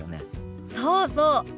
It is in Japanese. そうそう。